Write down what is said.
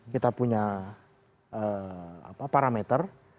kita punya parameter